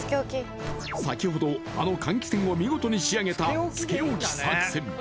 先ほど、あの換気扇を見事に仕上げたつけ置き作戦。